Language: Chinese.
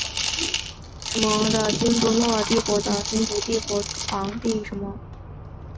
努曼诺尔帝国皇帝的史诗式奇幻小说世界中土大陆里努曼诺尔帝国的君主。